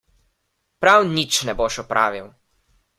Prav nič ne boš opravil!